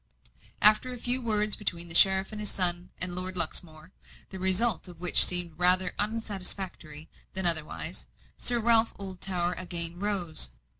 After a few words between the sheriff, his son, and Lord Luxmore, the result of which seemed rather unsatisfactory than otherwise, Sir Ralph Oldtower again rose.